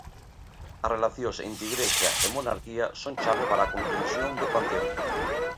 As relacións entre Igrexa e monarquía son chave para a comprensión do panteón.